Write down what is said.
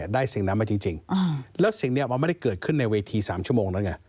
สิ่งนั้นมาจริงแล้วสิ่งนี้มันไม่ได้เกิดขึ้นในเวที๓ชั่วโมงแล้วไง